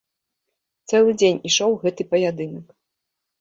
Цэлы дзень ішоў гэты паядынак.